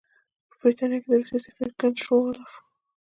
په برټانیه کې د روسیې سفیر کنټ شووالوف.